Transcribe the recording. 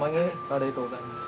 ありがとうございます。